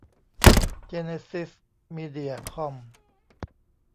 เจเนซิส มีเดียคอม